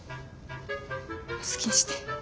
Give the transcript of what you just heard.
好きにして。